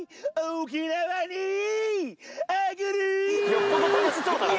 よっぽど楽しそうだな。